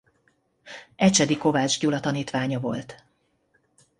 Ecsedi Kovács Gyula tanítványa volt.